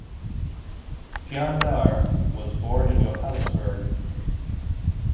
Pienaar was born in Johannesburg.